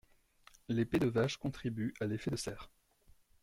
Les pets de vaches contribuent à l'effet de serre.